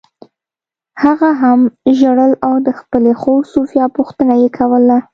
هغه هم ژړل او د خپلې خور سوفیا پوښتنه یې کوله